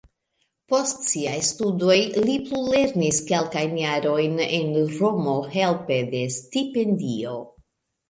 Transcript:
Post siaj studoj li plulernis kelkajn jarojn en Romo helpe de stipendio.